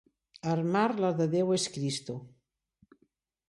Armar la de Déu és Cristo.